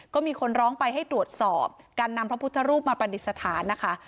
ก็มีคนร้องไปให้ตรวจสอบการนำพระพุทธรูปมาประดิษฐานนะคะ